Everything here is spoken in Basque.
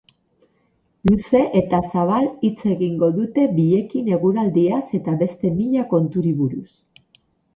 Luze eta zabal hitz egingo dute biekin eguraldiaz eta beste mila konturi buruz.